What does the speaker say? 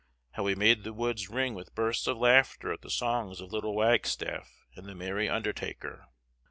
How we made the woods ring with bursts of laughter at the songs of little Wagstaff and the merry undertaker!